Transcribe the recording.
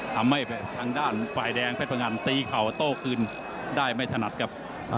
ทำให้ทางด้านฝ่ายแดงเพชรพงันตีเข่าโต้คืนได้ไม่ถนัดครับ